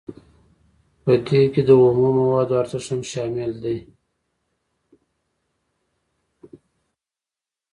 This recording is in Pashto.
په دې کې د اومو موادو ارزښت هم شامل دی